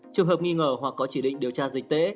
trường hợp nghi ngờ hoặc có chỉ định điều tra dịch tễ